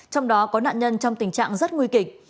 trong đó có nạn nhân trong tình trạng rất nguy kịch